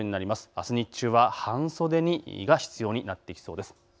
あす日中は半袖が必要になってきそうです。